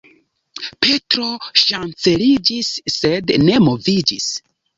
Petro ŝanceliĝis, sed ne moviĝis.